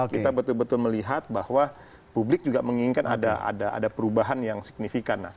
kita betul betul melihat bahwa publik juga menginginkan ada perubahan yang signifikan